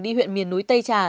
đi huyện miền núi tây trà